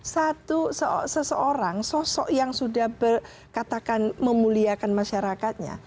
satu seseorang sosok yang sudah berkatakan memuliakan masyarakatnya